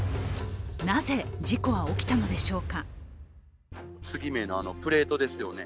なぜ事故は起きたのでしょうか。